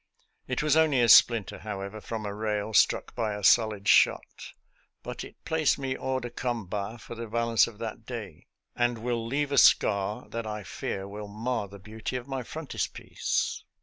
It was only a splinter, however, from a rail struck by a solid shot, but it placed me hors de comhat for the balance of that day, and will leave a scar that I fear will mar the beauty of my frontispiece.